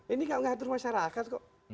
ini gak mengatur masyarakat kok